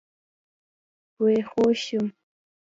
وئ خوږ شوم